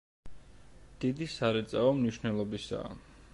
დიდი სარეწაო მნიშვნელობისაა.